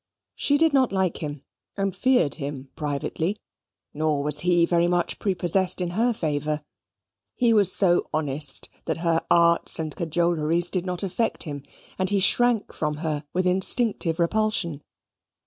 She did not like him, and feared him privately; nor was he very much prepossessed in her favour. He was so honest, that her arts and cajoleries did not affect him, and he shrank from her with instinctive repulsion.